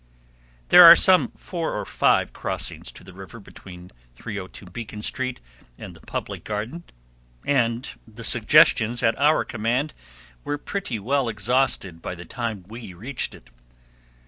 There are some four or five crossings to the river between 302 Beacon Street and the Public Garden, and the suggestions at our command were pretty well exhausted by the time we reached it.